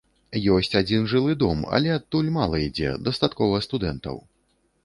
Ёсць адзін жылы дом, але адтуль мала ідзе, дастаткова студэнтаў.